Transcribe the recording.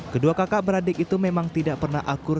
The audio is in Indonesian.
kedua kakak beradik itu memang tidak pernah akur